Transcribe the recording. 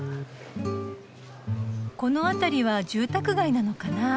この辺りは住宅街なのかな。